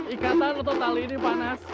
ikatan atau tali ini panas